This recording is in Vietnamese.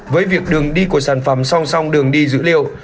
với việc đường đi của sản phẩm song song đường đi dữ liệu